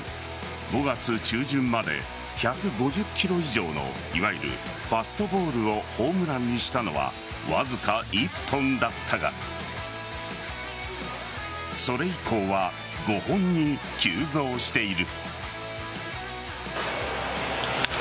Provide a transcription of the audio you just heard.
５月中旬まで、１５０キロ以上のいわゆるファストボールをホームランにしたのはわずか１本だったがそれ以降は５本に急増している。